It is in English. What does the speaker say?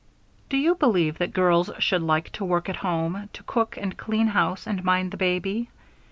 Do you believe that girls should like to work at home, to cook and clean house and mind the baby?